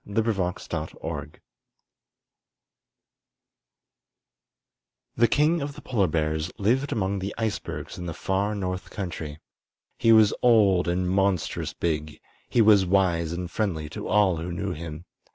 THE KING OF THE POLAR BEARS The King of the Polar Bears lived among the icebergs in the far north country. He was old and monstrous big; he was wise and friendly to all who knew him.